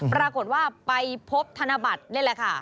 ปรากฏว่าไปพบธนบัตรนี่แหละค่ะ